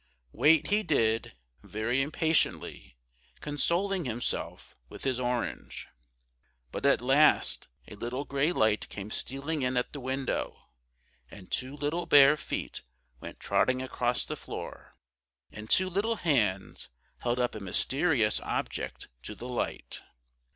Wait he did, very impatiently, consoling himself with his orange. But at last a little gray light came stealing in at the window, and two little bare feet went trotting across the floor, and two little hands held up a mysterious object to the light.